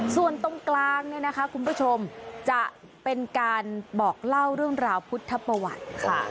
ส่วนตรงกลางเนี่ยนะคะคุณผู้ชมจะเป็นการบอกเล่าเรื่องราวพุทธประวัติค่ะ